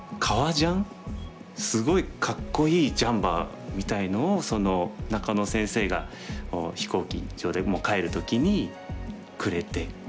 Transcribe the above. すごいかっこいいジャンパーみたいのを中野先生が飛行機場で帰る時にくれて。